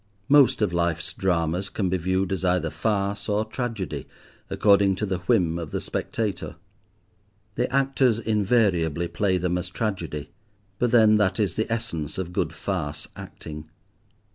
Most of life's dramas can be viewed as either farce or tragedy according to the whim of the spectator. The actors invariably play them as tragedy; but then that is the essence of good farce acting.